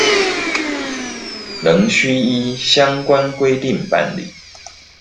仍須依相關規定辦理